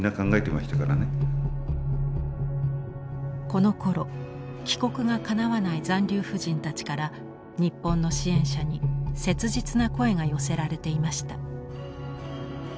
このころ帰国がかなわない残留婦人たちから日本の支援者に切実な声が寄せられていました。